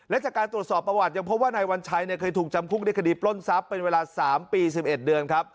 และจากการตรวจสอบประวัติยังพบว่านายวัญชัยเคยถูกจำคุกในคดีปล้นทรัพย์เป็นเวลา๓ปี๑๑เดือนครับ